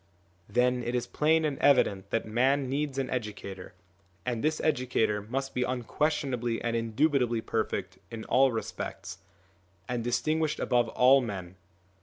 Then it is plain and evident that man needs an educator, and this educator must be unquestionably and indubitably perfect in all respects, and distinguished above all men.